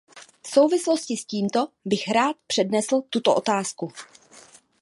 V souvislosti s tímto bych rád přednesl tuto otázku.